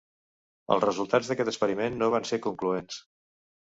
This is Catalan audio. Els resultats d'aquest experiment no van ser concloents.